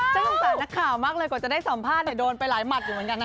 สงสารนักข่าวมากเลยกว่าจะได้สัมภาษณ์โดนไปหลายหมัดอยู่เหมือนกันนะ